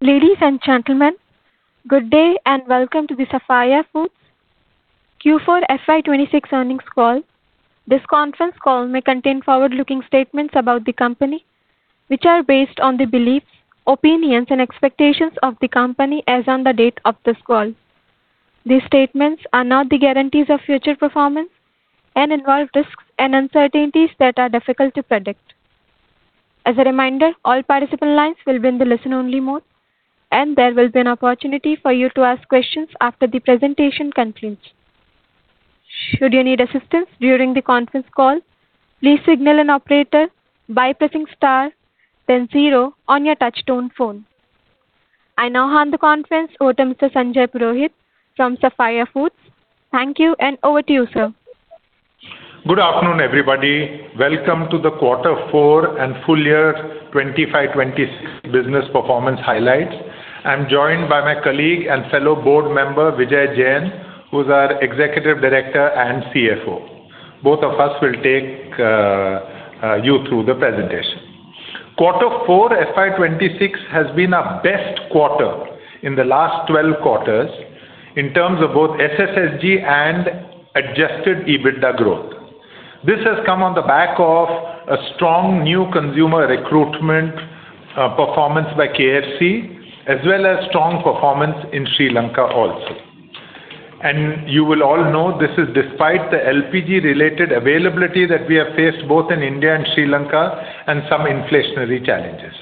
Ladies and gentlemen, good day and welcome to the Sapphire Foods Q4 FY 2026 earnings call. This conference call may contain forward-looking statements about the company, which are based on the beliefs, opinions, and expectations of the company as on the date of this call. These statements are not the guarantees of future performance and involve risks and uncertainties that are difficult to predict. As a reminder, all participant lines will be in the listen-only mode, and there will be an opportunity for you to ask questions after the presentation concludes. Should you need assistance during the conference call, please signal an operator by pressing star then zero on your touchtone phone. I now hand the conference over to Mr. Sanjay Purohit from Sapphire Foods. Thank you and over to you, sir. Good afternoon, everybody. Welcome to the quarter four and full year 2025-2026 business performance highlights. I'm joined by my colleague and fellow board member, Vijay Jain, who's our Executive Director and CFO. Both of us will take you through the presentation. Quarter four FY 2026 has been our best quarter in the last 12 quarters iAn terms of both SSSG and Adjusted EBITDA growth. This has come on the back of a strong new consumer recruitment performance by KFC, as well as strong performance in Sri Lanka also. You will all know this is despite the LPG related availability that we have faced both in India and Sri Lanka and some inflationary challenges.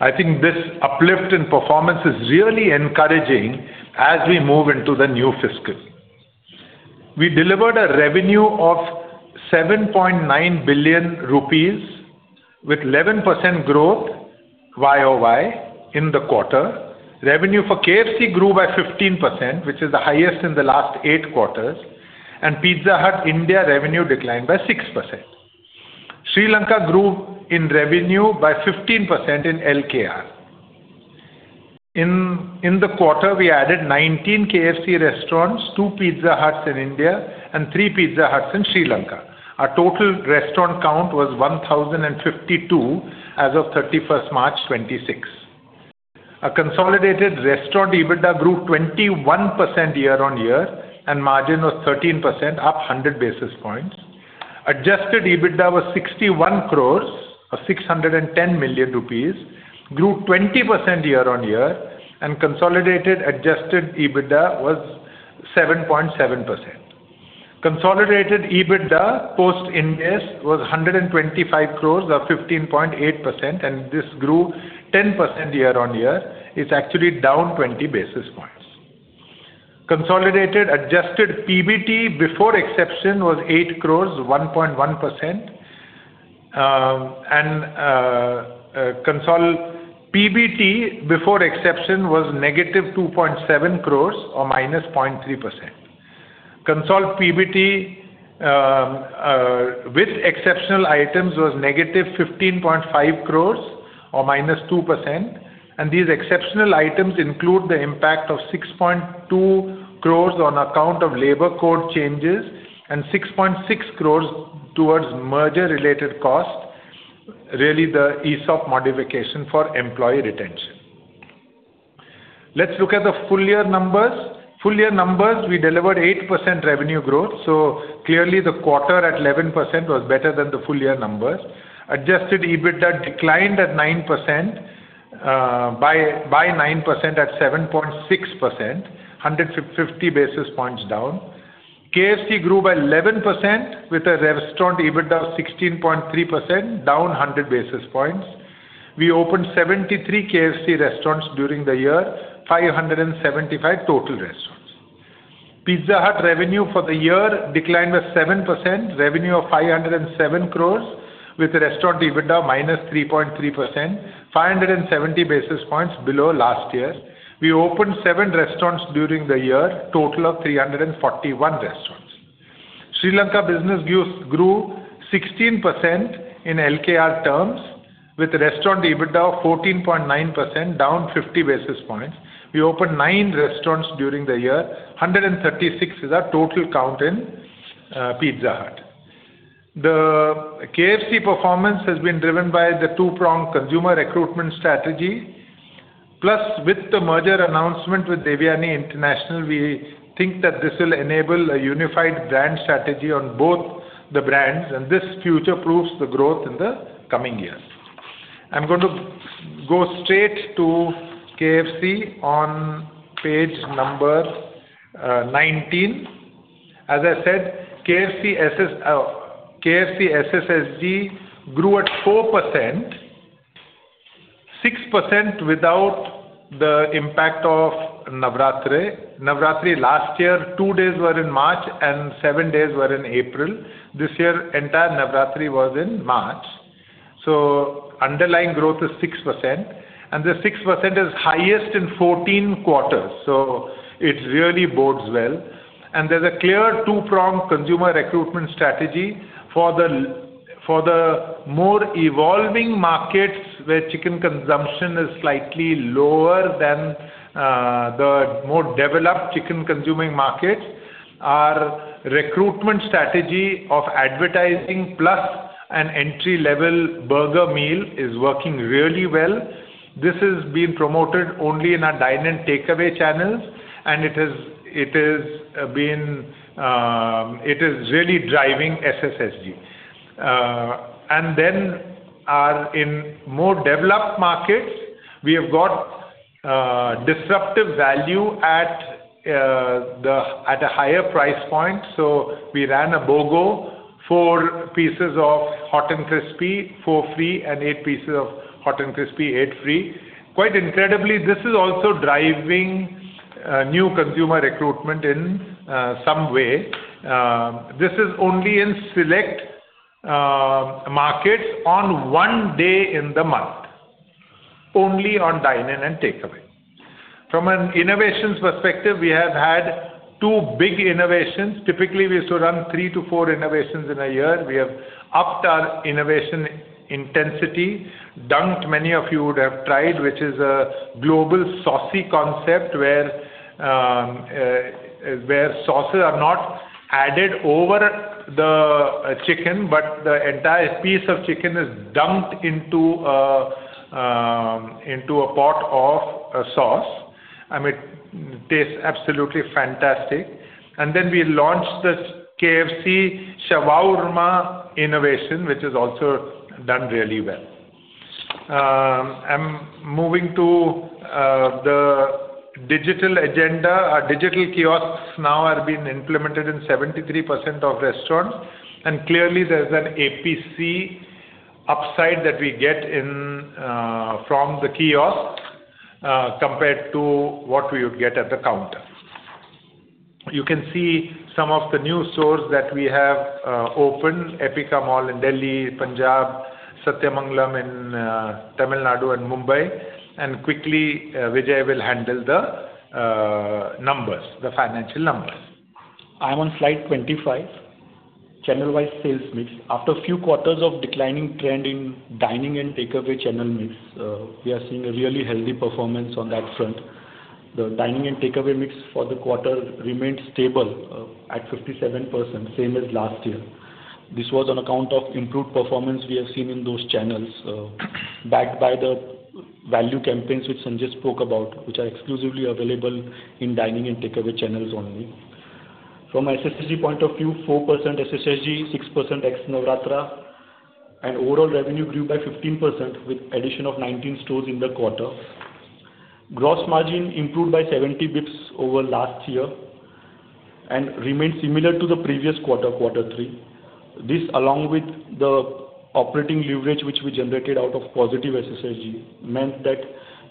I think this uplift in performance is really encouraging as we move into the new fiscal. We delivered a revenue of 7.9 billion rupees with 11% growth Y-o-Y in the quarter. Revenue for KFC grew by 15%, which is the highest in the last eight quarters, and Pizza Hut India revenue declined by 6%. Sri Lanka grew in revenue by 15% in LKR. In the quarter, we added 19 KFC restaurants, two Pizza Huts in India and three Pizza Huts in Sri Lanka. Our total restaurant count was 1,052 as of 31st March 2026. Our consolidated restaurant EBITDA grew 21% year-on-year, and margin was 13%, up 100 basis points. Adjusted EBITDA was 61 crores or 610 million rupees, grew 20% year-on-year, and consolidated Adjusted EBITDA was 7.7%. Consolidated EBITDA post Ind-AS was 125 crores or 15.8%. This grew 10% year-on-year. It's actually down 20 basis points. Consolidated adjusted PBT before exception was 8 crores, 1.1%. PBT before exception was -2.7 crores or -0.3%. [Consolidated] PBT with exceptional items was -15.5 crores or -2%. These exceptional items include the impact of 6.2 crores on account of labor code changes and 6.6 crores towards merger related costs, really the ease of modification for employee retention. Let's look at the full year numbers. Full year numbers, we delivered 8% revenue growth, clearly the quarter at 11% was better than the full year numbers. Adjusted EBITDA declined at 9%, by 9% at 7.6%, 150 basis points down. KFC grew by 11% with a restaurant EBITDA of 16.3%, down 100 basis points. We opened 73 KFC restaurants during the year, 575 total restaurants. Pizza Hut revenue for the year declined by 7%, revenue of 507 crores with restaurant EBITDA -3.3%, 570 basis points below last year. We opened seven restaurants during the year, total of 341 restaurants. Sri Lanka business grew 16% in LKR terms with restaurant EBITDA of 14.9%, down 50 basis points. We opened nine restaurants during the year. 136 is our total count in Pizza Hut. The KFC performance has been driven by the two-pronged consumer recruitment strategy. Plus with the merger announcement with Devyani International, we think that this will enable a unified brand strategy on both the brands, and this future proves the growth in the coming years. I'm going to go straight to KFC on page number 19. As I said, KFC SSSG grew at 4%, 6% without the impact of Navratri. Navratri last year, two days were in March and seven days were in April. This year entire Navratri was in March. Underlying growth is 6%, and the 6% is highest in 14 quarters. It really bodes well. There's a clear two-pronged consumer recruitment strategy for the more evolving markets where chicken consumption is slightly lower than the more developed chicken consuming markets. Our recruitment strategy of advertising plus an entry-level burger meal is working really well. This is being promoted only in our dine-in takeaway channels, it is really driving SSSG. Then in more developed markets, we have got disruptive value at a higher price point. We ran a BOGO, four pieces of Hot & Crispy, four free, and eight pieces of Hot & Crispy, eight free. Quite incredibly, this is also driving new consumer recruitment in some way. This is only in select markets on one day in the month, only on dine-in and takeaway. From an innovations perspective, we have had two big innovations. Typically, we used to run three to four innovations in a year. We have upped our innovation intensity. Dunked, many of you would have tried, which is a global saucy concept where sauces are not added over the chicken, but the entire piece of chicken is dunked into a pot of a sauce, and it tastes absolutely fantastic. Then we launched this KFC Shawowrma innovation, which has also done really well. I'm moving to the digital agenda. Our Digital Kiosks now have been implemented in 73% of restaurants, and clearly there's an APC upside that we get from the kiosk compared to what we would get at the counter. You can see some of the new stores that we have opened, Epicah Mall in Delhi, Punjab, Sathyamangalam in Tamil Nadu and Mumbai. Quickly, Vijay will handle the numbers, the financial numbers. I'm on slide 25. Channelwise sales mix. After a few quarters of declining trend in dine-in and takeaway channel mix, we are seeing a really healthy performance on that front. The dine-in and takeaway mix for the quarter remained stable, at 57%, same as last year. This was on account of improved performance we have seen in those channels, backed by the value campaigns which Sanjay spoke about, which are exclusively available in dine-in and takeaway channels only. From an SSSG point of view, 4% SSSG, 6% ex-Navratri, and overall revenue grew by 15% with addition of 19 stores in the quarter. Gross margin improved by 70 basis points over last year and remained similar to the previous quarter three. This, along with the operating leverage which we generated out of positive SSSG, meant that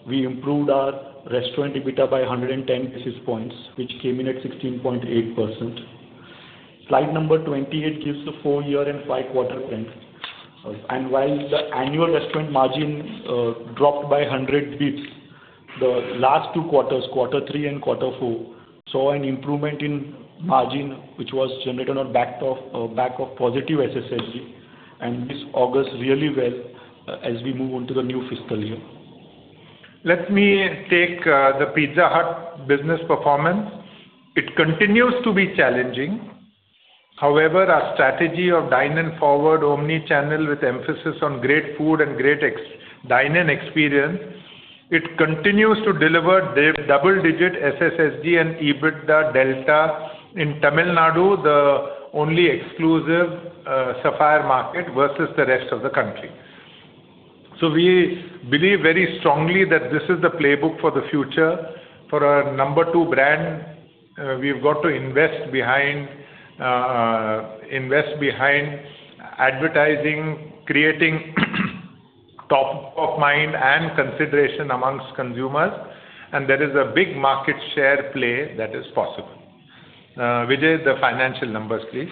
we improved our restaurant EBITDA by 110 basis points, which came in at 16.8%. Slide number 28 gives the four-year and five-quarter trends. While the annual restaurant margin dropped by 100 basis points, the last two quarters, quarter 3 and quarter 4, saw an improvement in margin, which was generated on the back of positive SSSG. This augurs really well as we move on to the new fiscal year. Let me take the Pizza Hut business performance. It continues to be challenging. However, our strategy of dine-in-forward omni-channel with emphasis on great food and great dine-in experience, it continues to deliver the double-digit SSSG and EBITDA delta in Tamil Nadu, the only exclusive Sapphire market versus the rest of the country. We believe very strongly that this is the playbook for the future. For our number two brand, we've got to invest behind advertising, creating top of mind and consideration amongst consumers, and there is a big market share play that is possible. Vijay, the financial numbers, please.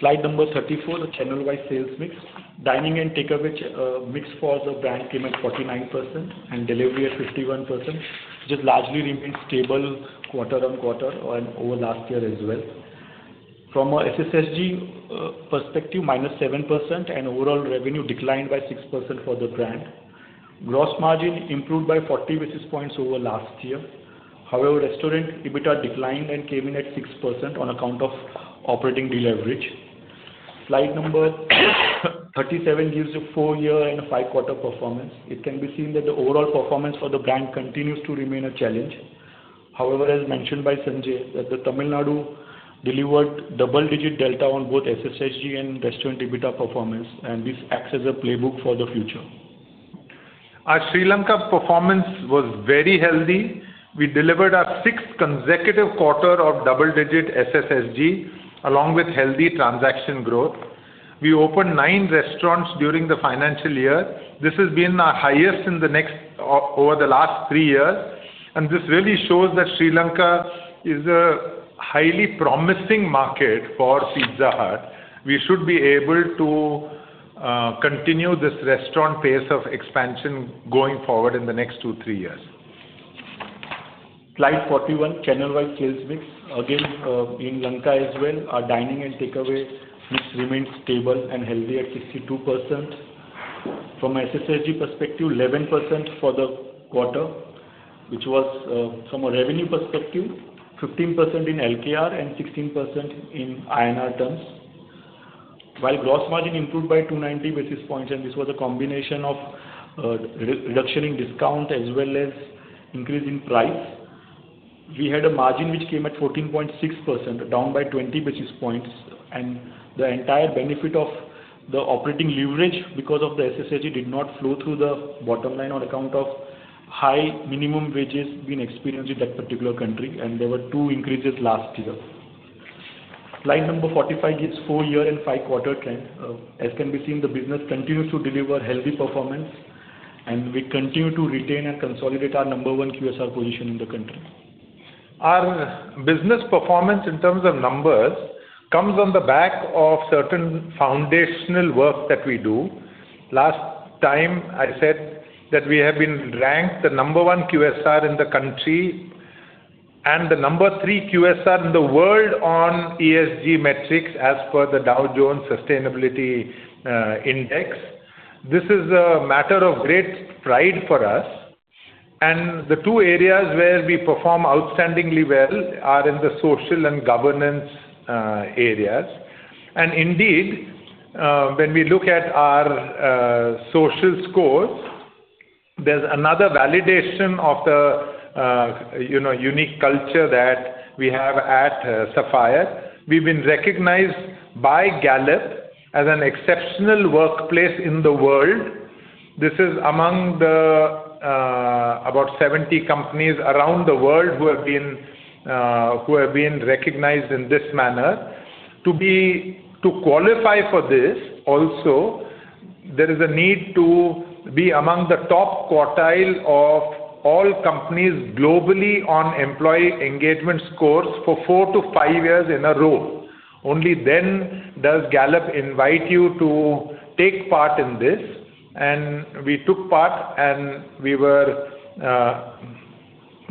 Slide number 34, the channelwise sales mix. Dine-in and takeaway mix for the brand came at 49% and delivery at 51%, which has largely remained stable quarter-on-quarter and over last year as well. From a SSSG perspective, -7% and overall revenue declined by 6% for the brand. Gross margin improved by 40 basis points over last year. However, restaurant EBITDA declined and came in at 6% on account of operating deleverage. Slide number 37 gives the four-year and five-quarter performance. It can be seen that the overall performance for the brand continues to remain a challenge. However, as mentioned by Sanjay, that Tamil Nadu delivered double-digit delta on both SSSG and restaurant EBITDA performance, and this acts as a playbook for the future. Our Sri Lanka performance was very healthy. We delivered our sixth consecutive quarter of double-digit SSSG, along with healthy transaction growth. We opened nine restaurants during the financial year. This has been our highest over the last three years, and this really shows that Sri Lanka is a highly promising market for Pizza Hut. We should be able to continue this restaurant pace of expansion going forward in the next two, three years. Slide 41, channelwise sales mix. Again, in Lanka as well, our dine-in and takeaway mix remains stable and healthy at 62%. From SSSG perspective, 11% for the quarter, which was from a revenue perspective, 15% in LKR and 16% in INR terms. Gross margin improved by 290 basis points, and this was a combination of reduction in discount as well as increase in price. We had a margin which came at 14.6%, down by 20 basis points. The entire benefit of the operating leverage because of the SSSG did not flow through the bottom line on account of high minimum wages being experienced in that particular country, and there were two increases last year. Slide number 45 gives four-year and five-quarter trend. As can be seen, the business continues to deliver healthy performance, and we continue to retain and consolidate our number one QSR position in the country. Our business performance in terms of numbers comes on the back of certain foundational work that we do. Last time I said that we have been ranked the number one QSR in the country and the number three QSR in the world on ESG metrics as per the Dow Jones Sustainability Index. This is a matter of great pride for us. The two areas where we perform outstandingly well are in the social and governance areas. Indeed, when we look at our social scores, there's another validation of the you know, unique culture that we have at Sapphire. We've been recognized by Gallup as an exceptional workplace in the world. This is among the about 70 companies around the world who have been recognized in this manner. To qualify for this also, there is a need to be among the top quartile of all companies globally on employee engagement scores for four to five years in a row. Only then does Gallup invite you to take part in this. We took part, and we were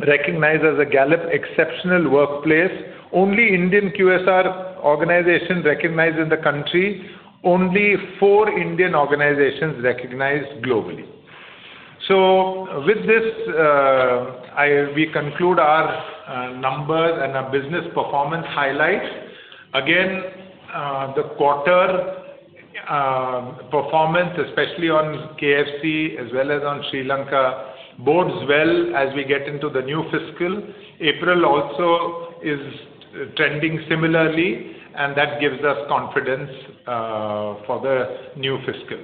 recognized as a Gallup exceptional workplace. Only Indian QSR organization recognized in the country. Only four Indian organizations recognized globally. With this, we conclude our numbers and our business performance highlights. Again, the quarter performance, especially on KFC as well as on Sri Lanka bodes well as we get into the new fiscal. April also is trending similarly, and that gives us confidence for the new fiscal.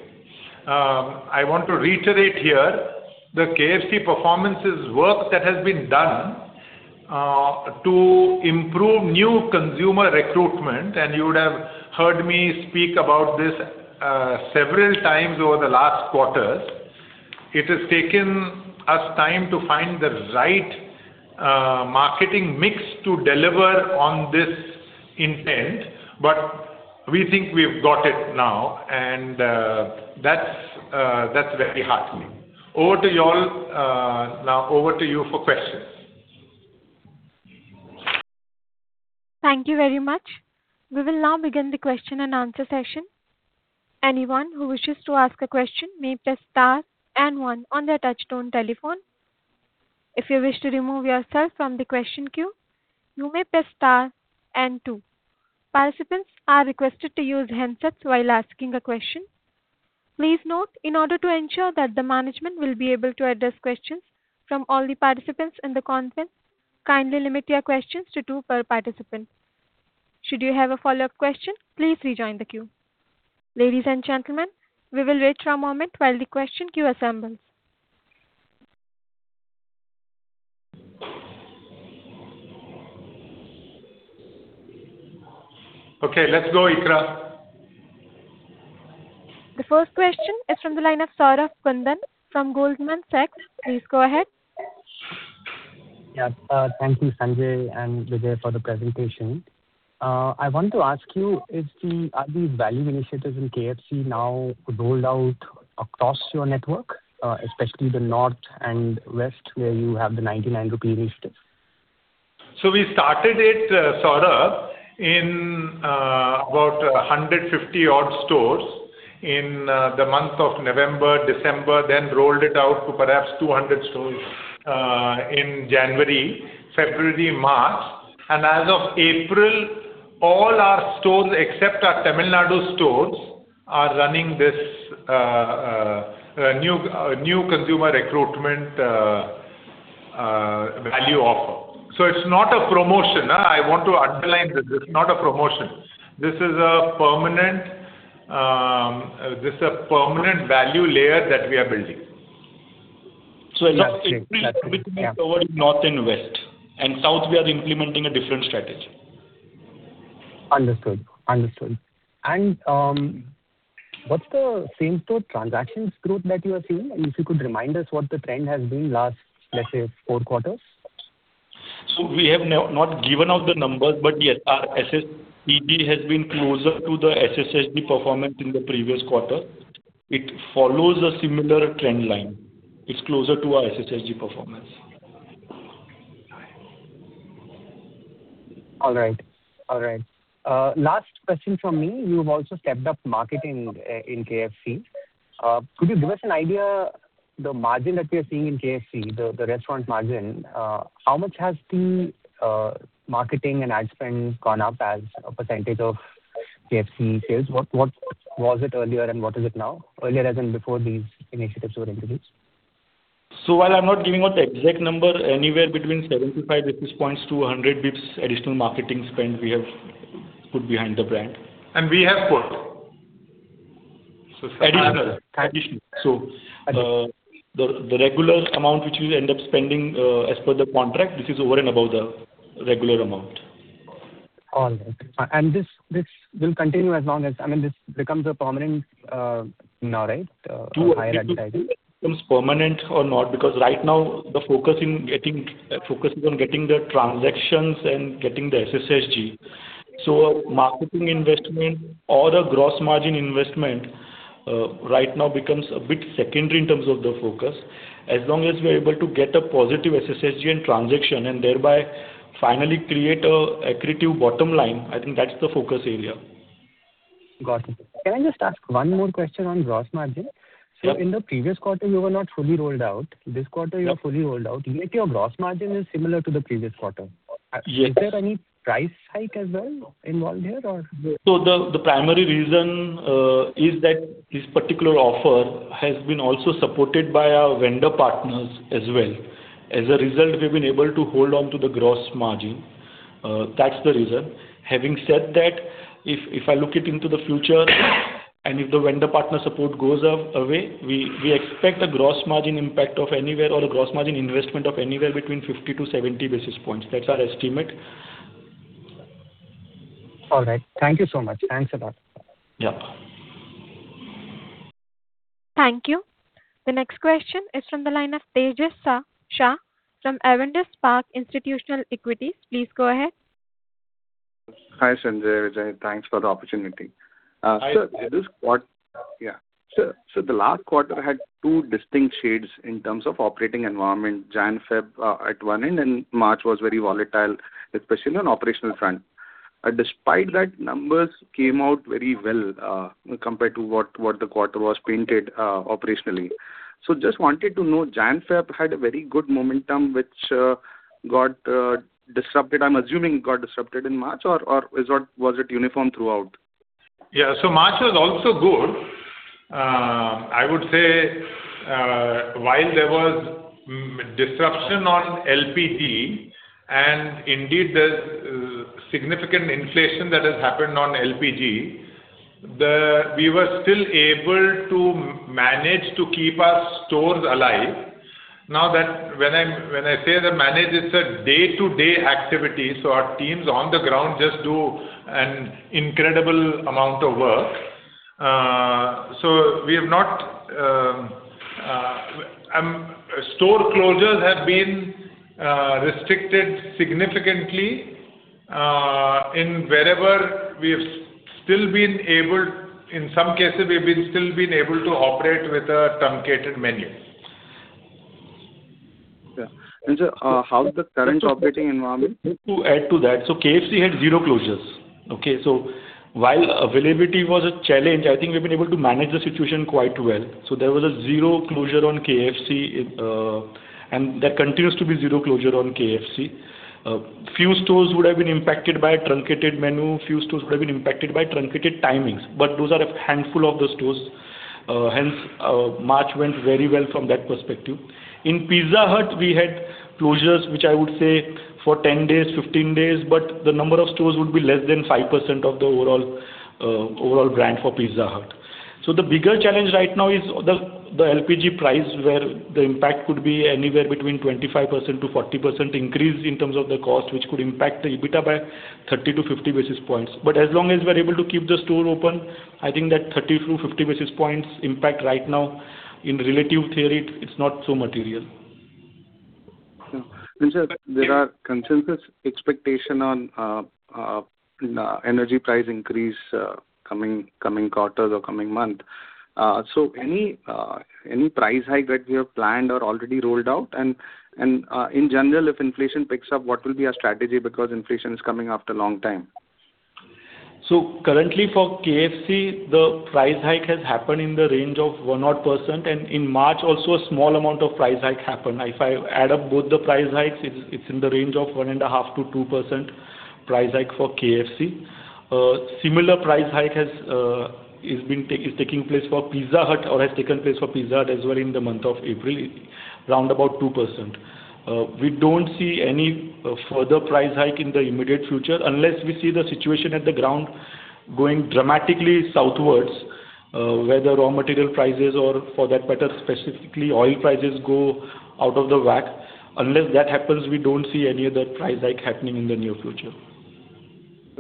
I want to reiterate here the KFC performance is work that has been done to improve new consumer recruitment, and you would have heard me speak about this several times over the last quarters. It has taken us time to find the right marketing mix to deliver on this intent. We think we've got it now, and that's very heartening. Over to y'all. Now over to you for questions. Thank you very much. We will now begin the question-and-answer session. Anyone who wishes to ask a question may press star and one on their touchtone telephone. If you wish to remove yourself from the question queue, you may press star and two. Participants are requested to use handsets while asking a question. Please note in order to ensure that the management will be able to address questions from all the participants in the conference, kindly limit your questions to two per participant. Should you have a follow-up question, please rejoin the queue. Ladies and gentlemen, we will wait for a moment while the question queue assembles. Okay, let's go, Ikra. The first question is from the line of Saurabh Kundan from Goldman Sachs. Please go ahead. Thank you, Sanjay and Vijay, for the presentation. I want to ask you, are these value initiatives in KFC now rolled out across your network, especially the North and West, where you have the 99 rupees initiative? We started it, Saurabh, in about 150 odd stores in the month of November, December, then rolled it out to perhaps 200 stores in January, February, March. As of April, all our stores, except our Tamil Nadu stores, are running this new consumer recruitment value offer. It's not a promotion. I want to underline this. It's not a promotion. This is a permanent value layer that we are building. Yes. Yeah. As of April, we've covered North and West. South, we are implementing a different strategy. Understood. Understood. What's the same-store transactions growth that you are seeing? If you could remind us what the trend has been last, let's say, four quarters. We have not given out the numbers, yes, our SSSG has been closer to the SSSG performance in the previous quarter. It follows a similar trend line. It is closer to our SSSG performance. All right. All right. Last question from me. You've also stepped up marketing in KFC. Could you give us an idea the margin that we are seeing in KFC, the restaurant margin, how much has the marketing and ad spend gone up as a percentage of KFC sales? What was it earlier and what is it now? Earlier as in before these initiatives were introduced. While I'm not giving out the exact number, anywhere between 75 basis points to 100 basis points additional marketing spend we have put behind the brand. We have put. Additional. The regular amount which we end up spending, as per the contract, this is over and above the regular amount. All right. This will continue as long as, I mean, this becomes a permanent, you know, right? Higher advertising. Whether it becomes permanent or not, right now the focus is on getting the transactions and getting the SSSG. Marketing investment or the gross margin investment right now becomes a bit secondary in terms of the focus. As long as we're able to get a positive SSSG and transaction and thereby finally create an accretive bottom line, I think that's the focus area. Got it. Can I just ask one more question on gross margin? Yeah. In the previous quarter you were not fully rolled out. Yeah. You are fully rolled out, yet your gross margin is similar to the previous quarter. Yes. Is there any price hike as well involved here? The primary reason is that this particular offer has been also supported by our vendor partners as well. As a result, we've been able to hold on to the gross margin. That's the reason. Having said that, if I look into the future and if the vendor partner support goes away, we expect a gross margin impact of anywhere or a gross margin investment of anywhere between 50 to 70 basis points. That's our estimate. All right. Thank you so much. Thanks a lot. Yeah. Thank you. The next question is from the line of Tejas Shah from Avendus Spark Institutional Equities. Please go ahead. Hi, Sanjay, Vijay. Thanks for the opportunity. Hi. The last quarter had two distinct shades in terms of operating environment. January, February, at one end and March was very volatile, especially on operational front. Despite that, numbers came out very well, compared to what the quarter was painted operationally. Just wanted to know, January, February had a very good momentum which got disrupted, I'm assuming got disrupted in March or was it uniform throughout? March was also good. I would say, while there was disruption on LPG and indeed the significant inflation that has happened on LPG, the. We were still able to manage to keep our stores alive. Now that when I'm, when I say the manage, it's a day-to-day activity, so our teams on the ground just do an incredible amount of work. We have not, store closures have been restricted significantly, in wherever we have still been able, in some cases we've been still been able to operate with a truncated menu. Yeah. Sir, how the current operating environment. Just to add to that, KFC had zero closures. Okay? While availability was a challenge, I think we've been able to manage the situation quite well. There was a zero closure on KFC, and there continues to be zero closure on KFC. Few stores would have been impacted by truncated menu, few stores would have been impacted by truncated timings, but those are a handful of the stores. Hence, March went very well from that perspective. In Pizza Hut, we had closures which I would say for 10 days, 15 days, but the number of stores would be less than 5% of the overall brand for Pizza Hut. The bigger challenge right now is the LPG price, where the impact could be anywhere between 25% to 40% increase in terms of the cost, which could impact the EBITDA by 30 to 50 basis points. As long as we're able to keep the store open, I think that 30 to 50 basis points impact right now in relative theory it's not so material. Sure. Sir, there are consensus expectation on energy price increase coming quarters or coming month. Any price hike that you have planned or already rolled out? In general, if inflation picks up, what will be your strategy? Inflation is coming after long time. Currently for KFC, the price hike has happened in the range of 1%, and in March also a small amount of price hike happened. If I add up both the price hikes, it's in the range of 1.5%-2% price hike for KFC. Similar price hike is taking place for Pizza Hut or has taken place for Pizza Hut as well in the month of April, round about 2%. We don't see any further price hike in the immediate future unless we see the situation at the ground going dramatically southwards, where the raw material prices or for that matter specifically oil prices go out of the whack. Unless that happens, we don't see any other price hike happening in the near future.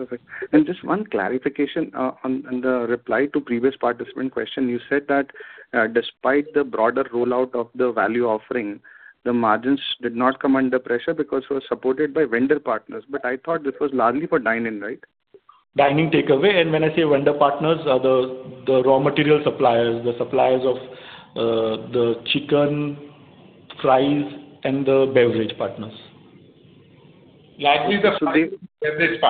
Perfect. Just one clarification. On the reply to previous participant question, you said that despite the broader rollout of the value offering, the margins did not come under pressure because it was supported by vendor partners. I thought this was largely for dine-in, right? Dine-in and takeaway. When I say vendor partners, the raw material suppliers, the suppliers of the chicken, fries and the beverage partners. Largely the fries and beverage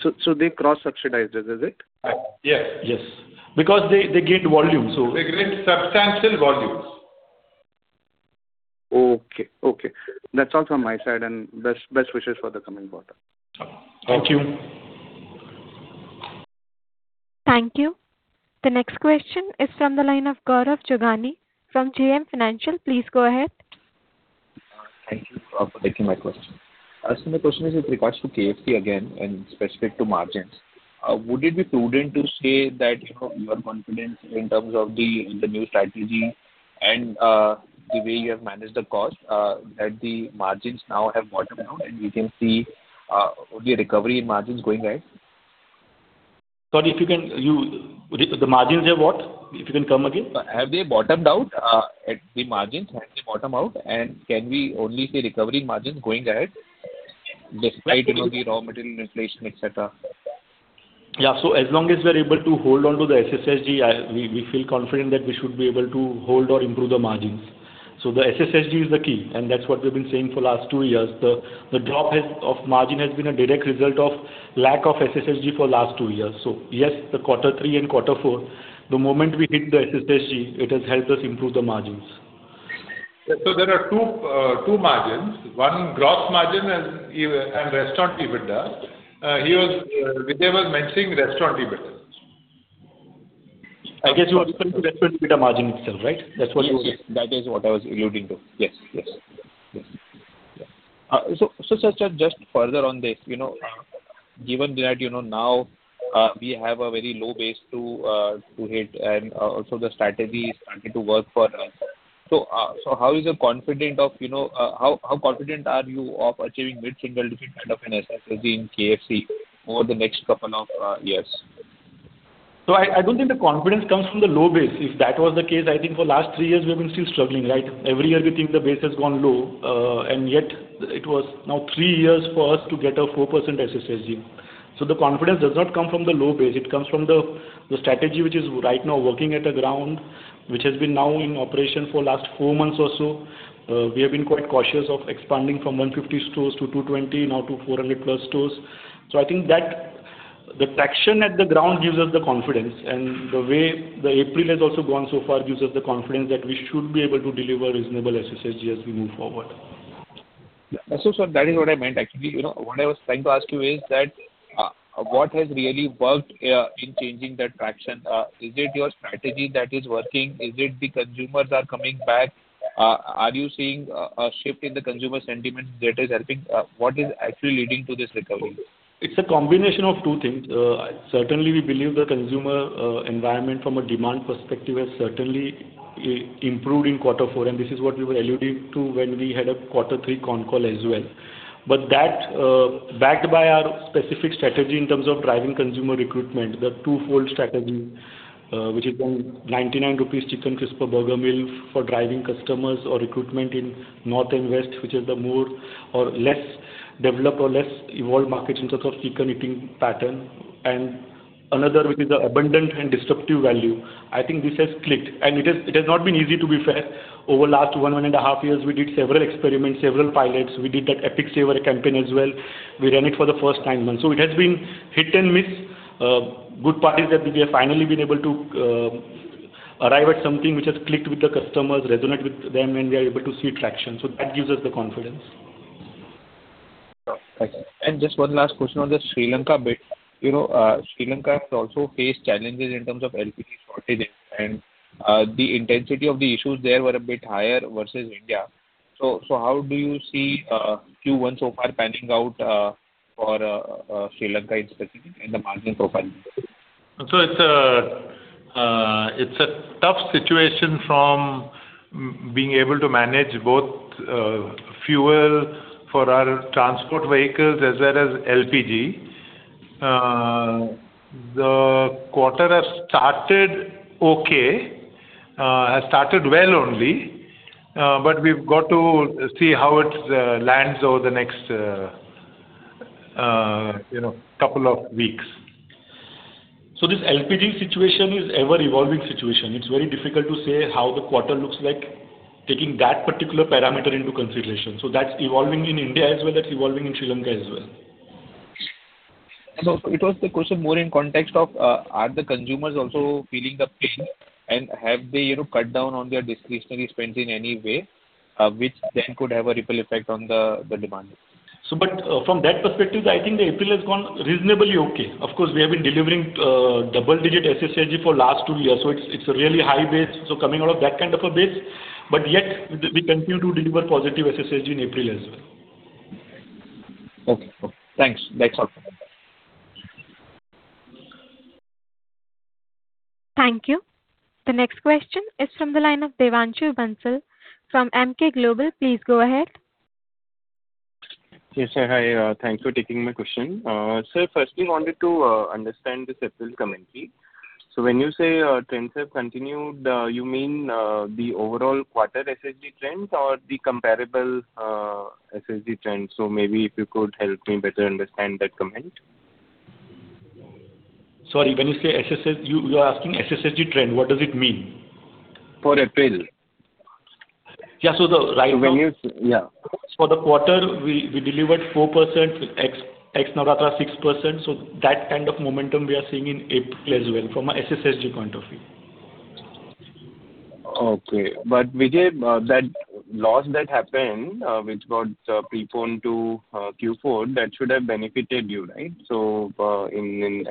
partner. They cross-subsidize this, is it? Yes. Yes. Because they get volume. They get substantial volumes. Okay. Okay. That's all from my side. Best wishes for the coming quarter. Thank you. Thank you. The next question is from the line of Gaurav Jogani from JM Financial. Please go ahead. Thank you for taking my question. My question is with regards to KFC again, and specific to margins. Would it be prudent to say that, you know, you are confident in terms of the new strategy and the way you have managed the cost, that the margins now have bottomed out and we can see only a recovery in margins going ahead? Sorry, if you can. The margins have what? If you can come again. Have they bottomed out at the margins? Have they bottomed out, and can we only see recovery in margins going ahead despite, you know, the raw material inflation, et cetera? Yeah. As long as we're able to hold onto the SSSG, we feel confident that we should be able to hold or improve the margins. The SSSG is the key, and that's what we've been saying for last two years. The drop of margin has been a direct result of lack of SSSG for last two years. Yes, the Q3 and Q4, the moment we hit the SSSG, it has helped us improve the margins. Yeah. There are two margins, one gross margin and restaurant EBITDA. He was, Vijay was mentioning restaurant EBITDA. I guess you are referring to restaurant EBITDA margin itself, right? Yes. That is what I was alluding to. Yes. Yes. Yes. Yes. Sir, just further on this, you know, given that, you know, now we have a very low base to hit and also the strategy is starting to work for us, how is your confident of, you know, how confident are you of achieving mid-single digit kind of an SSSG in KFC over the next couple of years? I don't think the confidence comes from the low base. If that was the case, I think for last three years we've been still struggling, right? Every year we think the base has gone low, and yet it was now three years for us to get a 4% SSSG. The confidence does not come from the low base, it comes from the strategy which is right now working at the ground, which has been now in operation for last four months or so. We have been quite cautious of expanding from 150 stores to 220, now to 400+ stores. I think that the traction at the ground gives us the confidence and the way the April has also gone so far gives us the confidence that we should be able to deliver reasonable SSSG as we move forward. Sir, that is what I meant actually. You know, what I was trying to ask you is that, what has really worked in changing that traction? Is it your strategy that is working? Is it the consumers are coming back? Are you seeing a shift in the consumer sentiment that is helping? What is actually leading to this recovery? It's a combination of two things. Certainly we believe the consumer environment from a demand perspective has certainly improved in quarter four, and this is what we were alluding to when we had a quarter three con call as well. That, backed by our specific strategy in terms of driving consumer recruitment, the twofold strategy, which is 199 rupees Chicken Krisper Burger Meal for driving customers or recruitment in North and West, which is the more or less developed or less evolved markets in terms of chicken eating pattern and another, which is the abundant and disruptive value. I think this has clicked and it has not been easy to be fair. Over last one and a half years, we did several experiments, several pilots. We did that Epic Saver campaign as well. We ran it for the first time then. It has been hit and miss. Good part is that we have finally been able to arrive at something which has clicked with the customers, resonate with them, and we are able to see traction. That gives us the confidence. Okay. Just one last question on the Sri Lanka bit. You know, Sri Lanka has also faced challenges in terms of LPG shortages and the intensity of the issues there were a bit higher versus India. How do you see Q1 so far panning out for Sri Lanka especially in the margin profile? It's a tough situation from being able to manage both fuel for our transport vehicles as well as LPG. The quarter has started okay, has started well only, but we've got to see how it lands over the next, you know, couple of weeks. This LPG situation is ever-evolving situation. It's very difficult to say how the quarter looks like taking that particular parameter into consideration. That's evolving in India as well, that's evolving in Sri Lanka as well. It was the question more in context of, are the consumers also feeling the pain and have they, you know, cut down on their discretionary spends in any way, which then could have a ripple effect on the demand? From that perspective, I think the April has gone reasonably okay. Of course, we have been delivering double-digit SSSG for last two years, so it's a really high base, so coming out of that kind of a base, but yet we continue to deliver positive SSSG in April as well. Okay. Okay. Thanks. That's all for now. Thank you. The next question is from the line of Devanshu Bansal from Emkay Global. Please go ahead. Yes, sir. Hi. Thanks for taking my question. Sir, first we wanted to understand this April commentary. When you say trends have continued, you mean the overall quarter SSSG trends or the comparable SSSG trends? Maybe if you could help me better understand that comment. Sorry, when you say SSSG, you are asking SSSG trend, what does it mean? For April. Yeah, so the— Yeah. For the quarter, we delivered 4%, ex-Navratri 6%. That kind of momentum we are seeing in April as well from a SSSG point of view. Okay. Vijay, that loss that happened, which got preponed to Q4, that should have benefited you, right, in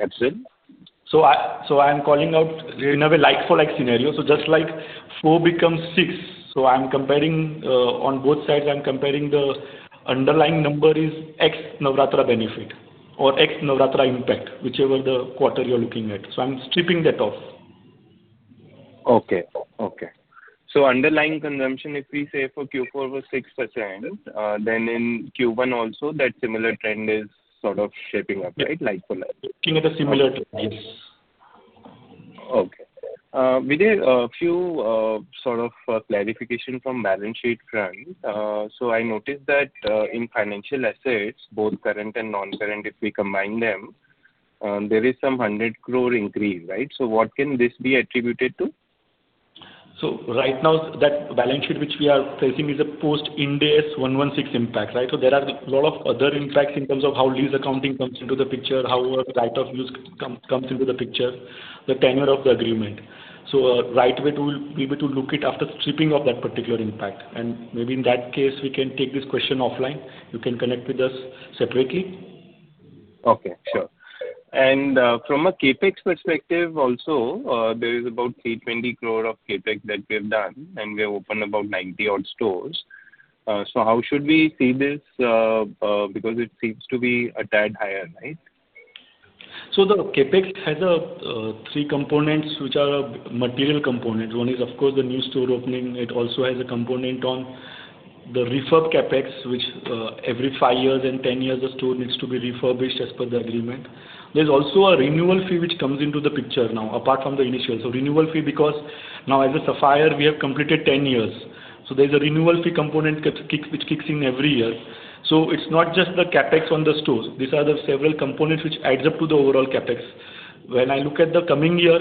EBITDA? I, so I'm calling out in a way like-for-like scenario. Just like 4% becomes 6%. I'm comparing on both sides, I'm comparing the underlying number is ex-Navratri benefit or ex-Navratri impact, whichever the quarter you're looking at. I'm stripping that off. Okay. Okay. Underlying consumption, if we say for Q4 was 6%, then in Q1 also that similar trend is sort of shaping up, right? Like-for-like. Keeping it similar, yes. Okay. Vijay, a few, sort of, clarification from balance sheet front. I noticed that, in financial assets, both current and non-current, if we combine them, there is some 100 crore increase, right? What can this be attributed to? Right now that balance sheet which we are facing is a post Ind-AS 116 impact. There are lot of other impacts in terms of how lease accounting comes into the picture, how right of use comes into the picture, the tenure of the agreement. Right way to be able to look it after stripping of that particular impact. Maybe in that case we can take this question offline. You can connect with us separately. Okay. Sure. From a CapEx perspective also, there is about 320 crore of CapEx that we have done, and we have opened about 90 odd stores. How should we see this? Because it seems to be a tad higher, right? The CapEx has three components which are material components. One is of course the new store opening. It also has a component on the refurb CapEx, which every five years and 10 years a store needs to be refurbished as per the agreement. There's also a renewal fee which comes into the picture now, apart from the initial. Renewal fee because now as a Sapphire we have completed 10 years, there is a renewal fee component which kicks in every year. It's not just the CapEx on the stores. These are the several components which adds up to the overall CapEx. When I look at the coming year,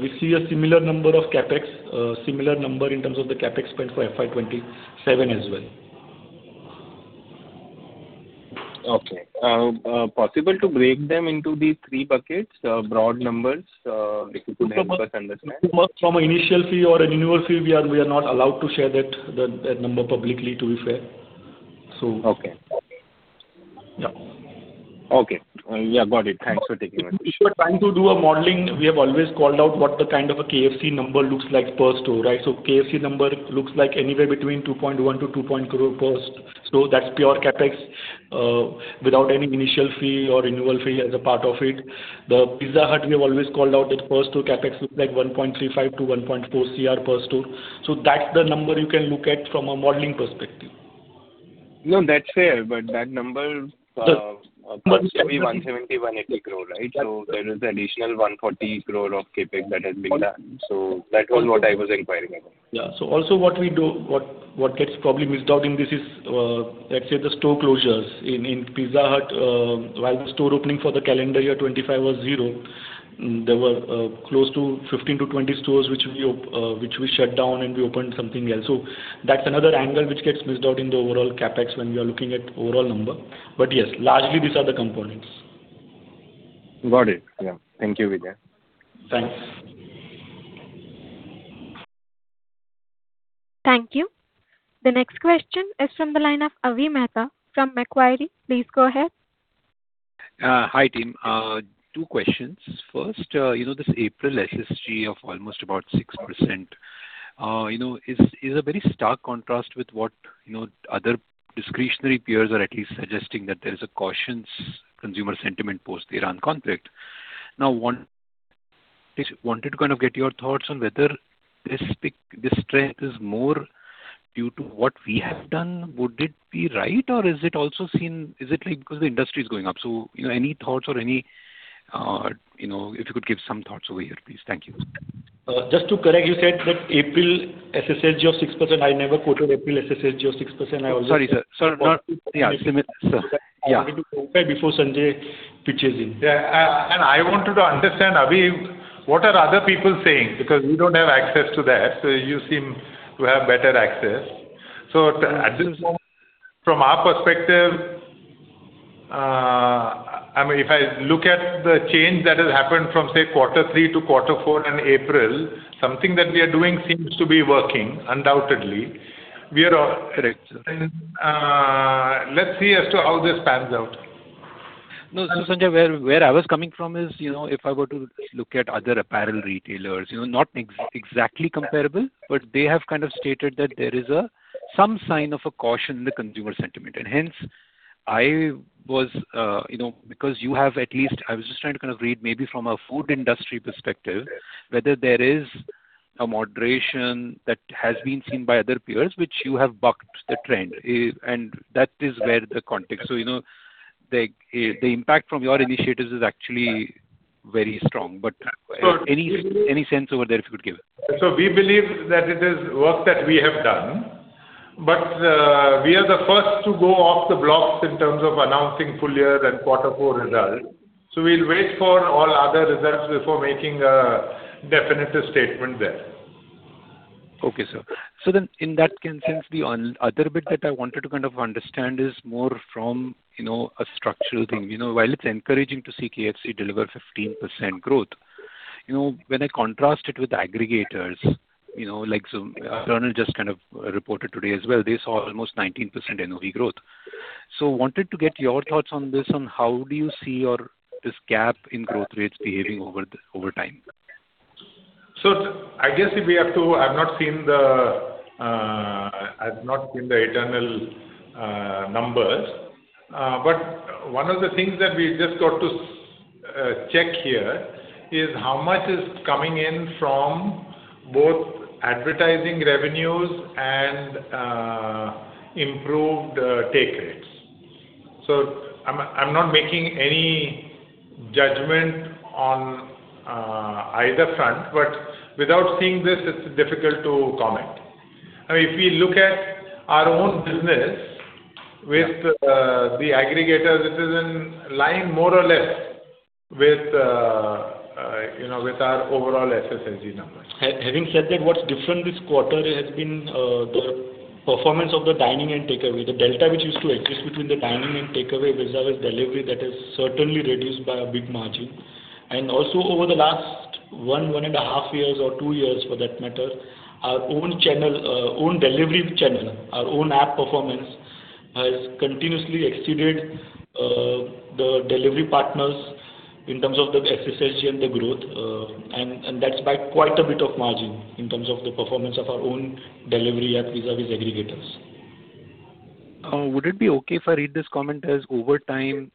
we see a similar number of CapEx, similar number in terms of the CapEx spend for FY 2027 as well. Okay. Possible to break them into the three buckets, broad numbers, if you could help us understand? From initial fee or a renewal fee, we are not allowed to share that number publicly, to be fair. Okay. Yeah. Okay. Yeah, got it. Thanks for taking my call. If you are trying to do a modeling, we have always called out what the kind of a KFC number looks like per store, right? KFC number looks like anywhere between 2.1 crore-2.2 crore per store. That's pure CapEx, without any initial fee or renewal fee as a part of it. The Pizza Hut, we have always called out that per store CapEx looks like 1.35 crore-1.4 crore per store. That's the number you can look at from a modeling perspective. No, that's fair. That number must be 170 crore-180 crore, right? Yeah. There is additional 140 crore of CapEx that has been done. That was what I was inquiring about. Yeah. Also what gets probably missed out in this is, let's say the store closures. In Pizza Hut, while the store opening for the calendar year 2025 was zero, there were close to 15 to 20 stores which we shut down and we opened something else. That's another angle which gets missed out in the overall CapEx when we are looking at overall number. Yes, largely these are the components. Got it. Yeah. Thank you, Vijay. Thanks. Thank you. The next question is from the line of Avi Mehta from Macquarie. Please go ahead. Hi team. Two questions. First, you know, this April SSSG of almost about 6%, you know, is a very stark contrast with what, you know, other discretionary peers are at least suggesting that there is a cautious consumer sentiment post Iran conflict. Just wanted to kind of get your thoughts on whether this strength is more due to what we have done. Would it be right? Is it also like because the industry is going up? You know, any thoughts or any, you know, if you could give some thoughts over here, please. Thank you. Just to correct, you said that April SSSG of 6%, I never quoted April SSSG of 6%. Sorry, sir. Yeah, similar, sir. Yeah. I wanted to clarify before Sanjay pitches in. Yeah. I wanted to understand, Avi, what are other people saying? Because we don't have access to that. You seem to have better access. At this moment, from our perspective, I mean, if I look at the change that has happened from, say, quarter three to quarter four and April, something that we are doing seems to be working undoubtedly. Let's see as to how this pans out. No, Sanjay, where I was coming from is, you know, if I were to look at other apparel retailers, you know, not exactly comparable, but they have kind of stated that there is a some sign of a caution in the consumer sentiment. Hence I was, you know, I was just trying to kind of read maybe from a food industry perspective whether there is a moderation that has been seen by other peers, which you have bucked the trend, and that is where the context. You know, the impact from your initiatives is actually very strong. Any sense over there if you could give? We believe that it is work that we have done. We are the first to go off the blocks in terms of announcing full year and Q4 results. We will wait for all other results before making a definitive statement there. Okay, sir. In that sense, the other bit that I wanted to kind of understand is more from, you know, a structural thing. You know, while it's encouraging to see KFC deliver 15% growth, you know, when I contrast it with aggregators, you know, like Zomato just kind of reported today as well, they saw almost 19% NOE growth. Wanted to get your thoughts on this, on how do you see this gap in growth rates behaving over the, over time? I guess if we have to, I've not seen the internal numbers. One of the things that we just got to check here is how much is coming in from both advertising revenues and improved take rates. I'm not making any judgment on either front, but without seeing this, it's difficult to comment. I mean, if we look at our own business with the aggregators, it is in line more or less with, you know, with our overall SSSG numbers. Having said that, what's different this quarter has been the performance of the dine-in and takeaway. The delta which used to exist between the dine-in and takeaway vis-à-vis delivery, that has certainly reduced by a big margin. Also over the last one and a half years, or two years for that matter, our own channel, own delivery channel, our own app performance has continuously exceeded the delivery partners in terms of the SSSG and the growth. That's by quite a bit of margin in terms of the performance of our own delivery app vis-à-vis aggregators. Would it be okay if I read this comment as over time,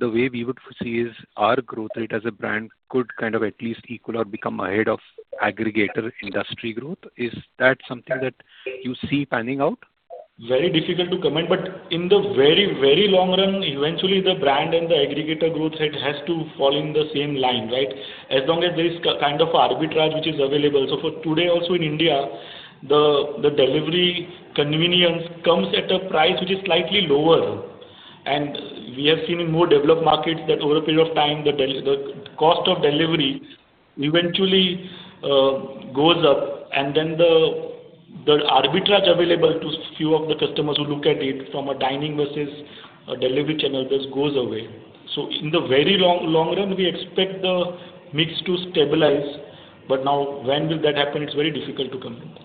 the way we would foresee is our growth rate as a brand could kind of at least equal or become ahead of aggregator industry growth. Is that something that you see panning out? Very difficult to comment. In the very long run, eventually the brand and the aggregator growth rate has to fall in the same line, right? As long as there is kind of arbitrage which is available. For today also in India, the delivery convenience comes at a price which is slightly lower. We have seen in more developed markets that over a period of time, the cost of delivery eventually goes up and then the arbitrage available to few of the customers who look at it from a dine-in versus a delivery channel just goes away. In the very long run, we expect the mix to stabilize. Now when will that happen? It's very difficult to comment.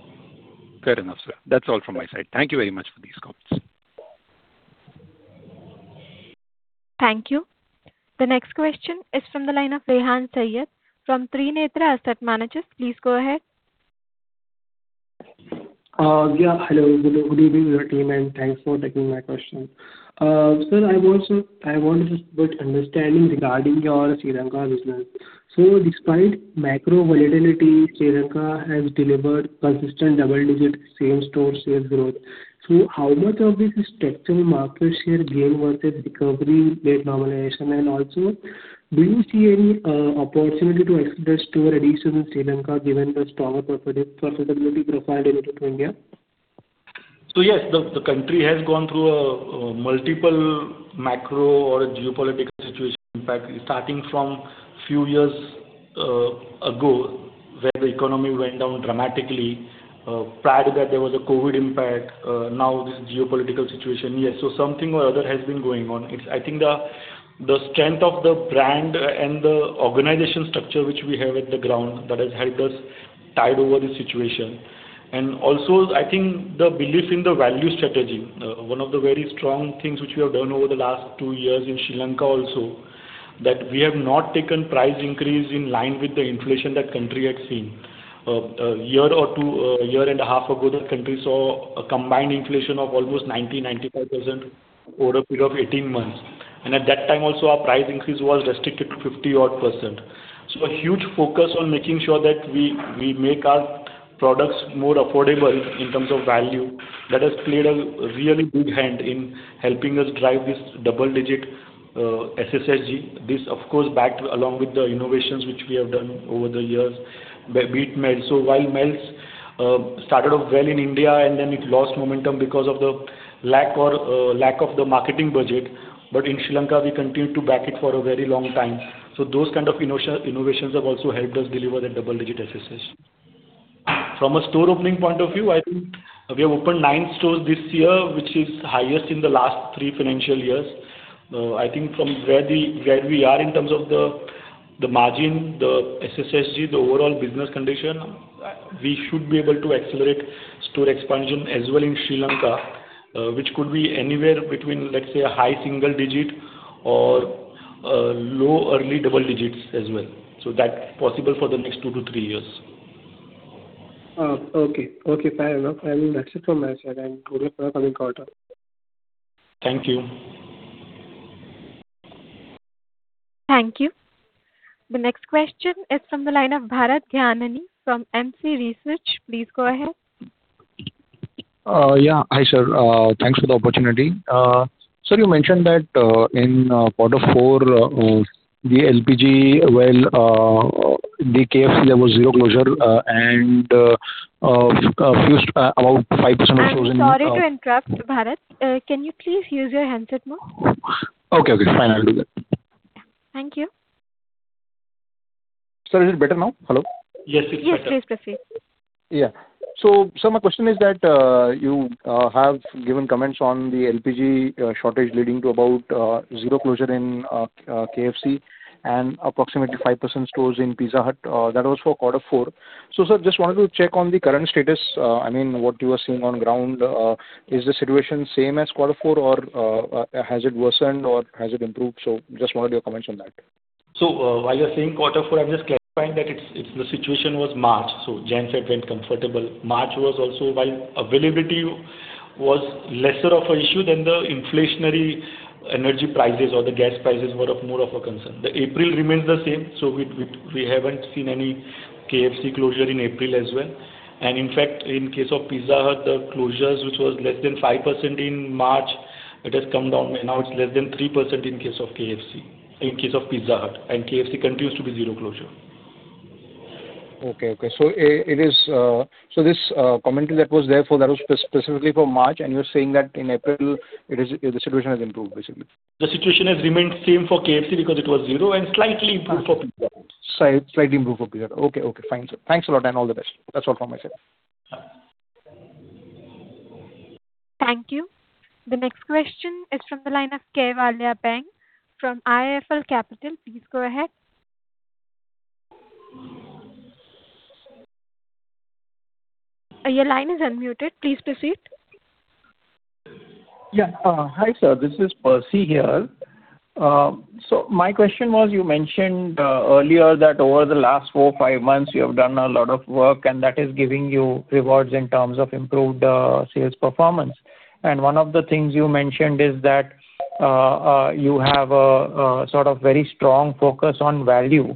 Fair enough, sir. That's all from my side. Thank you very much for these comments. Thank you. The next question is from the line of Rehan Saiyyed from Trinetra Asset Managers. Please go ahead. Hello. Good evening, your team, and thanks for taking my question. Sir, I want to just get understanding regarding your Sri Lanka business. Despite macro volatility, Sri Lanka has delivered consistent double-digit same-store sales growth. How much of this is structural market share gain versus recovery rate normalization? Also, do you see any opportunity to accelerate store addition in Sri Lanka given the stronger profitability profile relative to India? Yes, the country has gone through a multiple macro or geopolitical situation impact starting from few years ago, where the economy went down dramatically. Prior to that there was a COVID impact. Now this geopolitical situation. Yes. Something or other has been going on. It's I think the strength of the brand and the organization structure which we have at the ground that has helped us tide over the situation. Also I think the belief in the value strategy, one of the very strong things which we have done over the last two years in Sri Lanka also, that we have not taken price increase in line with the inflation that country had seen. One or two years, one and a half years ago, the country saw a combined inflation of almost 90%, 95% over a period of 18 months. At that time also our price increase was restricted to 50% odd. A huge focus on making sure that we make our products more affordable in terms of value. That has played a really big hand in helping us drive this double-digit SSSG. This of course backed along with the innovations which we have done over the years, be it Melts. While Melts started off well in India and then it lost momentum because of the lack or lack of the marketing budget. In Sri Lanka we continued to back it for a very long time. Those kind of innovations have also helped us deliver the double-digit SSSG. From a store opening point of view, I think we have opened nine stores this year, which is highest in the last three financial years. I think from where we are in terms of the margin, the SSSG, the overall business condition, we should be able to accelerate store expansion as well in Sri Lanka, which could be anywhere between, let's say a high single digit or a low early double digits as well. That's possible for the next two to three years. Okay. Okay, fair enough. I mean, that's it from my side and good luck on the quarter. Thank you. Thank you. The next question is from the line of Bharat Gianani from MC Research. Please go ahead. Hi, sir. Thanks for the opportunity. Sir, you mentioned that, in quarter four, the LPG well, the KFC level zero closure, and fused about 5%— I'm sorry to interrupt, Bharat. Can you please use your handset more? Okay, okay, fine. I'll do that. Thank you. Sir, is it better now? Hello. Yes, it's better. Yes, please proceed. Yeah. Sir, my question is that, you have given comments on the LPG shortage leading to about zero closure in KFC and approximately 5% stores in Pizza Hut. That was for quarter four. Sir, just wanted to check on the current status, I mean, what you are seeing on ground. Is the situation same as quarter four or has it worsened or has it improved? Just wanted your comments on that. While you're saying quarter four, I'm just clarifying that it's the situation was March, Jan, Feb went comfortable. March was also while availability was lesser of an issue than the inflationary energy prices or the gas prices were of more of a concern. The April remains the same, we haven't seen any KFC closure in April as well. In fact, in case of Pizza Hut, the closures, which was less than 5% in March, it has come down. Now it's less than 3% in case of Pizza Hut, KFC continues to be zero closure. Okay. It is, so this commentary that was there for that was specifically for March. You're saying that in April it is, the situation has improved basically. The situation has remained same for KFC because it was zero and slightly improved for Pizza Hut. Slightly improved for Pizza Hut. Okay, fine sir. Thanks a lot and all the best. That's all from my side. Thank you. The next question is from the line of Kaivalya Baing from IIFL Capital. Please go ahead. Please proceed. Hi sir, this is Percy here. My question was, you mentioned earlier that over the last four, five months you have done a lot of work and that is giving you rewards in terms of improved sales performance. One of the things you mentioned is that you have a sort of very strong focus on value.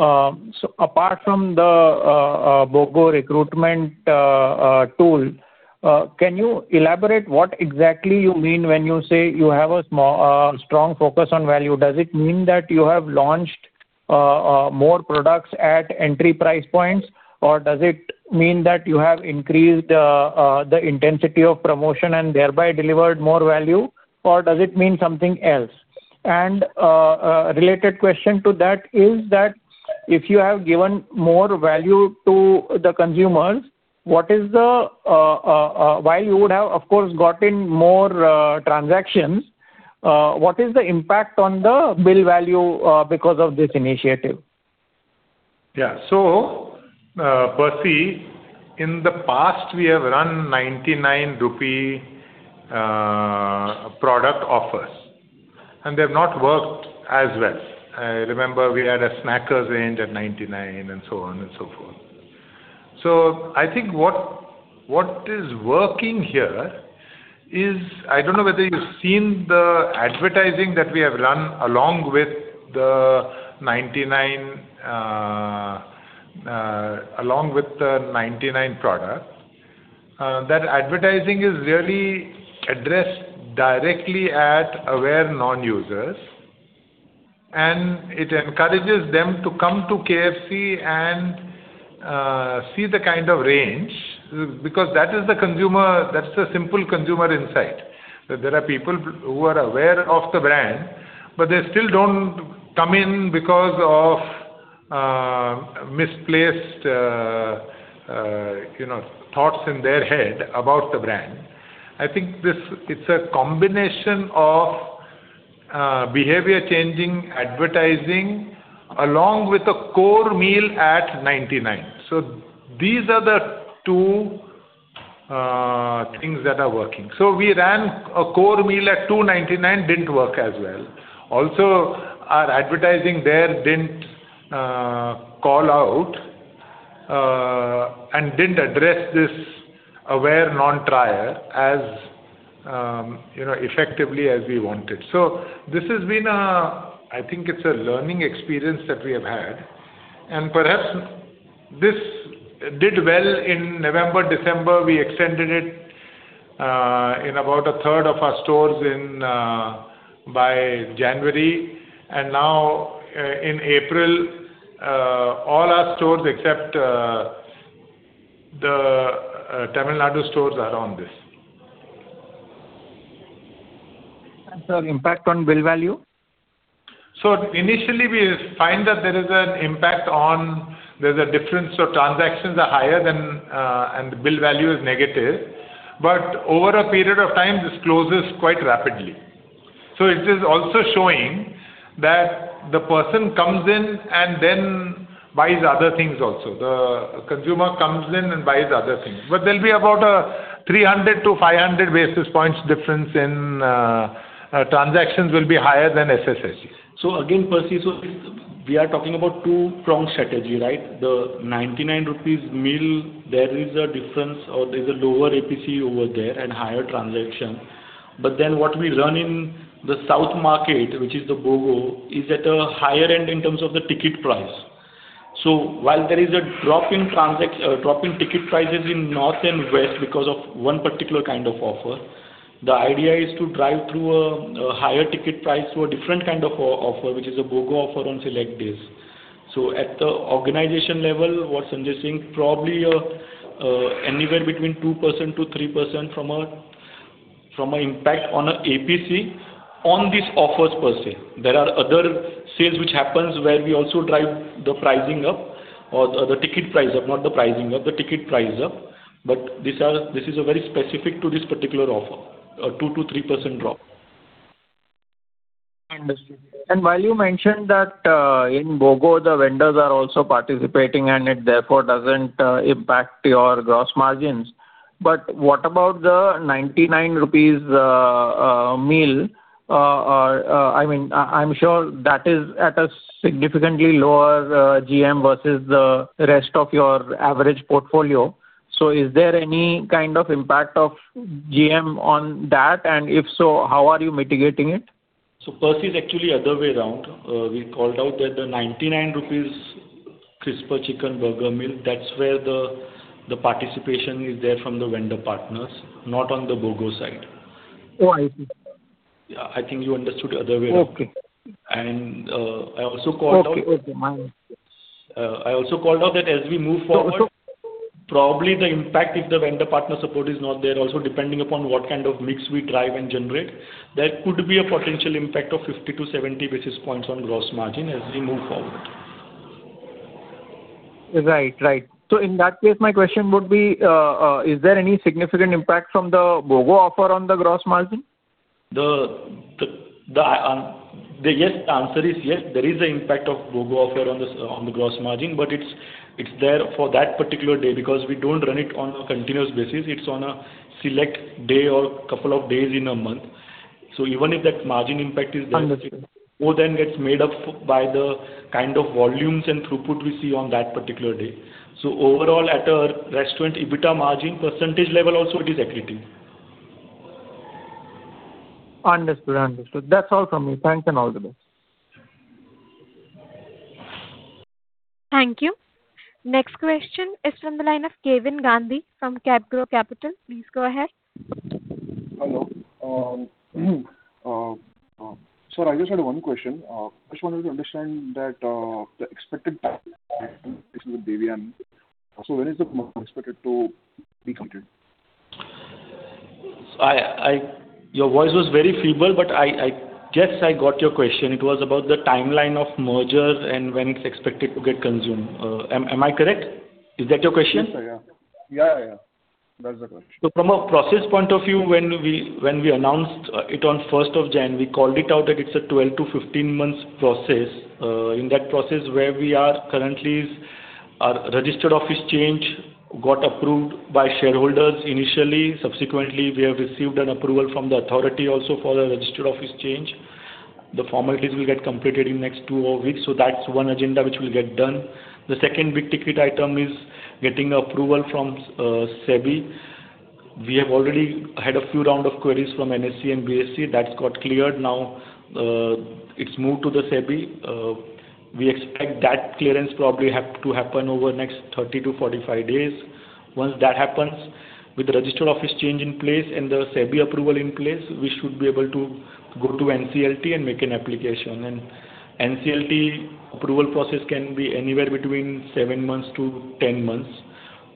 Apart from the BOGO recruitment tool, can you elaborate what exactly you mean when you say you have a strong focus on value? Does it mean that you have launched more products at entry price points, or does it mean that you have increased the intensity of promotion and thereby delivered more value, or does it mean something else? Related question to that is that if you have given more value to the consumers, what is the while you would have of course gotten more transactions, what is the impact on the bill value because of this initiative? Yeah. Percy, in the past we have run 99 rupee product offers, and they've not worked as well. Remember we had a snackers range at 99 and so on and so forth. I think what is working here is, I don't know whether you've seen the advertising that we have run along with the 99, along with the 99 product. That advertising is really addressed directly at aware non-users, and it encourages them to come to KFC and see the kind of range, because that is the consumer, that's the simple consumer insight. That there are people who are aware of the brand, but they still don't come in because of misplaced, you know, thoughts in their head about the brand. I think this it's a combination of behavior changing advertising along with a core meal at 99. These are the two things that are working. We ran a core meal at 299, didn't work as well. Also, our advertising there didn't call out and didn't address this aware non-trier as, you know, effectively as we wanted. This has been a learning experience that we have had, and perhaps this did well in November. December, we extended it in about 1/3 of our stores by January. Now in April, all our stores except the Tamil Nadu stores are on this. Sir, impact on bill value? Initially we find that there is an impact on, there's a difference, transactions are higher than, and bill value is negative. Over a period of time, this closes quite rapidly. It is also showing that the person comes in and then buys other things also. The consumer comes in and buys other things. There'll be about a 300 to 500 basis points difference in transactions will be higher than SSSG. Again, Percy, so we are talking about two prong strategy, right? The 99 rupees meal, there is a difference or there's a lower APC over there and higher transaction. What we run in the south market, which is the BOGO, is at a higher end in terms of the ticket price. While there is a drop in drop in ticket prices in North and West because of one particular kind of offer, the idea is to drive through a higher ticket price through a different kind of offer, which is a BOGO offer on select days. At the organization level, what Sanjay is saying, probably anywhere between 2%-3% from a, from a impact on a APC on these offers per se. There are other sales which happens where we also drive the pricing up or the ticket price up, not the pricing up, the ticket price up. This is very specific to this particular offer, a 2%-3% drop. Understood. While you mentioned that, in BOGO, the vendors are also participating and it therefore doesn't impact your gross margins, but what about the 99 rupees meal? I mean, I'm sure that is at a significantly lower GM versus the rest of your average portfolio. Is there any kind of impact of GM on that? If so, how are you mitigating it? First it's actually other way around. We called out that the 99 rupees Krisper Chicken Burger Meal, that's where the participation is there from the vendor partners, not on the BOGO side. Oh, I see. Yeah. I think you understood the other way around. Okay. I also called out— Okay. Okay. My mistake. I also called out that as we move forward— So also— —probably the impact if the vendor partner support is not there, also depending upon what kind of mix we drive and generate, there could be a potential impact of 50 to 70 basis points on gross margin as we move forward. Right. Right. In that case, my question would be, is there any significant impact from the BOGO offer on the gross margin? Yes, the answer is yes, there is an impact of BOGO offer on this, on the gross margin, but it's there for that particular day because we don't run it on a continuous basis. It's on a select day or couple of days in a month. Even if that margin impact is there. Understood. More gets made up by the kind of volumes and throughput we see on that particular day. Overall at a restaurant EBITDA margin percentage level also it is equity. Understood. Understood. That's all from me. Thanks and all the best. Thank you. Next question is from the line of Kevin Gandhi from CapGrow Capital. Please go ahead. Hello, sir, I just had one question. I just wanted to understand that the expected with [Devyani]. When is it expected to be completed? Your voice was very feeble, but I guess I got your question. It was about the timeline of mergers and when it is expected to get consumed. Am I correct? Is that your question? Yes, sir. Yeah. Yeah. Yeah. Yeah. That's the question. From a process point of view, when we, when we announced it on 1st of January, we called it out that it's a 12 to 15 months process. In that process where we are currently is our registered office change got approved by shareholders initially. Subsequently, we have received an approval from the authority also for the registered office change. The formalities will get completed in next two weeks. That's one agenda which will get done. The second big-ticket item is getting approval from SEBI. We have already had a few round of queries from NSE and BSE. That's got cleared now. It's moved to the SEBI. We expect that clearance probably have to happen over the next 30 to 45 days. Once that happens, with the registered office change in place and the SEBI approval in place, we should be able to go to NCLT and make an application. NCLT approval process can be anywhere between seven months to 10 months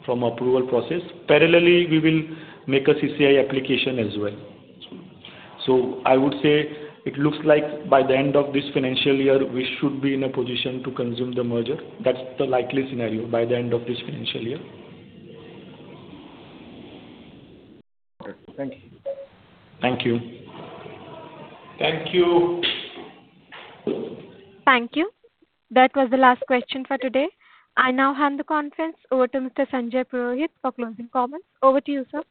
from approval process. Parallelly, we will make a CCI application as well. I would say it looks like by the end of this financial year, we should be in a position to consume the merger. That's the likely scenario by the end of this financial year. Okay. Thank you. Thank you. Thank you. Thank you. That was the last question for today. I now hand the conference over to Mr. Sanjay Purohit for closing comments. Over to you, sir.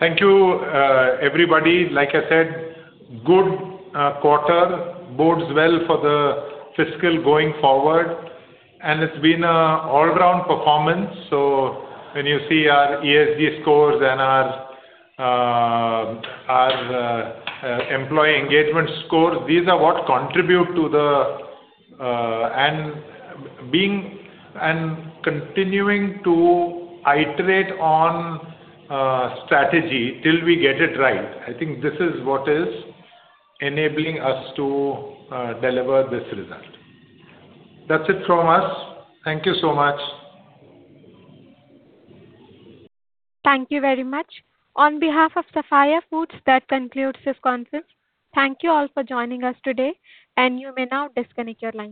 Thank you, everybody. Like I said, good quarter bodes well for the fiscal going forward, and it's been an all-round performance. When you see our ESG scores and our employee engagement scores, these are what contribute to the and being and continuing to iterate on strategy till we get it right. I think this is what is enabling us to deliver this result. That's it from us. Thank you so much. Thank you very much. On behalf of Sapphire Foods, that concludes this conference. Thank you all for joining us today, and you may now disconnect your lines.